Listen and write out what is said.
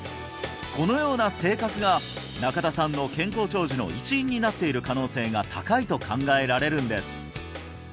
このような性格が中田さんの健康長寿の一因になっている可能性が高いと考えられるんです